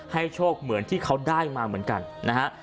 โชคเหมือนที่เขาได้มาเหมือนกันนะฮะ